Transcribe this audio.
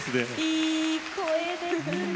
いい声ですね。